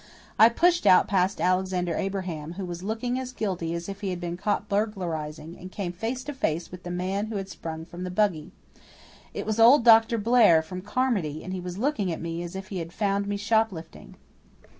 I pushed out past Alexander Abraham who was looking as guilty as if he had been caught burglarizing and came face to face with the man who had sprung from the buggy. It was old Dr. Blair, from Carmody, and he was looking at me as if he had found me shoplifting.